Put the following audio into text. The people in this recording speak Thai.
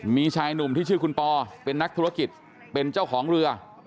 มีชายหนุ่มที่ชื่อคุณปอเป็นนักธุรกิจเป็นเจ้าของเรือ